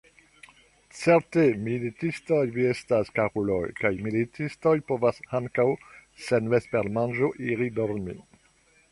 Certe, militistoj vi estas, karuloj, kaj militistoj povas ankaŭ sen vespermanĝo iri dormi!